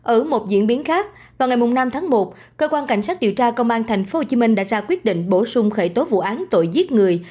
ở một diễn biến khác vào ngày năm tháng một cơ quan cảnh sát điều tra công an tp hcm đã ra quyết định bổ sung khởi tố vụ án tội giết người